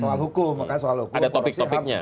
soal hukum makanya soal hukum korupsi ham